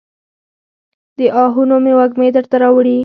د آهونو مې وږمې درته راوړي